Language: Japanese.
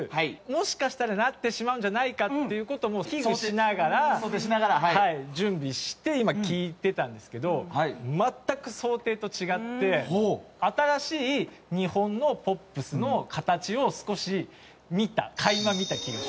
もしかしたらなってしまうんじゃないかっていう事も危惧しながらはい準備して今聴いてたんですけど全く想定と違って新しい日本のポップスの形を少し見た垣間見た気が。